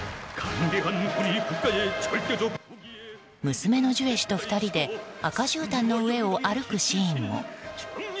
娘のジュエ氏と２人で赤じゅうたんの上を歩くシーンも。